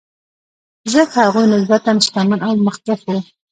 ځکه هغوی نسبتا شتمن او مخکښ وو.